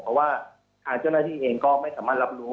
เพราะว่าทางเจ้าหน้าที่เองก็ไม่สามารถรับรู้